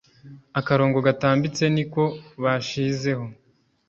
Akarongo gatambitse niko bashizeho